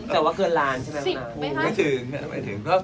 แต่ว่าเกินล้านใช่ไหม